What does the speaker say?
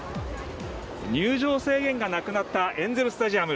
入場制限がなくなったエンゼル・スタジアム。